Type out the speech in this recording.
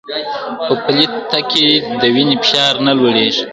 په پلي تګ کې د وینې فشار نه لوړېږي.